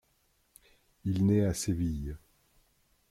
Il naît à Séville.